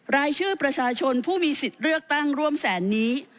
รายชื่อประชาชนผู้มีสิทธิ์เลือกตั้งร่วมแสนนี้